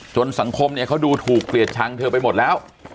สังคมเนี่ยเขาดูถูกเกลียดชังเธอไปหมดแล้ว